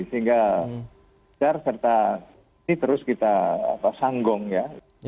sehingga serta ini terus kita sanggong ya